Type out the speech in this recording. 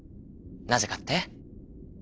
なぜかって？